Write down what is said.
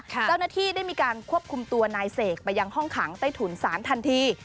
เจ้าหน้าที่ได้มีการควบคุมตัวนายเสกไปยังห้องขังใต้ถุนศาลทันที